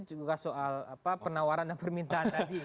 juga soal penawaran dan permintaan tadi